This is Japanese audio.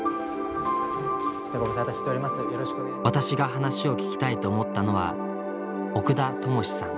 私が話を聞きたいと思ったのは奥田知志さん。